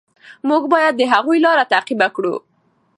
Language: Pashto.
موږ باید د هغوی لاره تعقیب کړو.